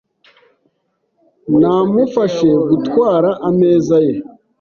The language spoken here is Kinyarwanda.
Namufashe gutwara ameza ye .